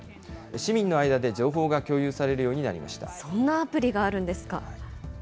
市民の間で情報が共有されるようそんなアプリがあるんですか。